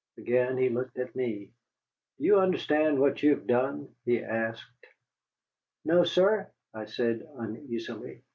Again he looked at me. "Do you understand what you have done?" he asked. "No, sir," I said uneasily.